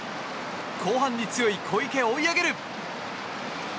後半に強い小池追い上げる！